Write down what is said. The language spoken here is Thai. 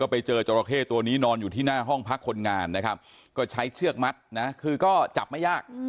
ไปเจอจราเข้ตัวนี้นอนอยู่ที่หน้าห้องพักคนงานนะครับก็ใช้เชือกมัดนะคือก็จับไม่ยาก